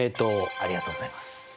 ありがとうございます。